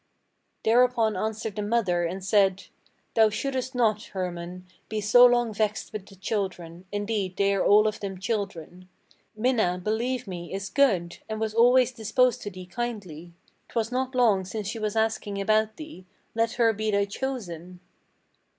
'" Thereupon answered the mother, and said: "Thou shouldest not, Hermann, Be so long vexed with the children: indeed, they are all of them children. Minna, believe me, is good, and was always disposed to thee kindly. 'Twas not long since she was asking about thee. Let her be thy chosen!"